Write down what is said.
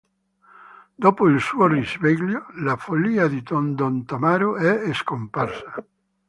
Dopo il suo risveglio, la follia di Don Tammaro è scomparsa.